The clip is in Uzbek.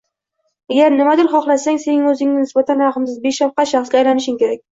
Agar nimadir xohlasang, sen o‘zingga nisbatan rahmsiz, beshafqat shaxsga aylanishing kerak.